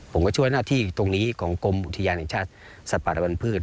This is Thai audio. ผมก็ช่วยหน้าที่ตรงนี้ของกรมอุทยานแห่งชาติสัตว์ป่าและวันพืช